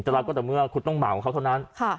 เช่นนั้นก็แต่เมื่อคุณต้องเมาเขาเท่านั้น